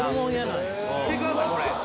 見てくださいこれ。